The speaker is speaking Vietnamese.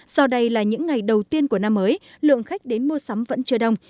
do đây là những ngày đầu tiên của năm mới lượng khách đến mua sắm vẫn chưa đông